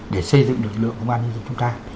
để xây dựng lực lượng công an nhân dân chúng ta